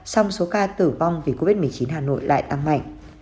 song số ca tử vong vì covid một mươi chín hà nội lại tăng mạnh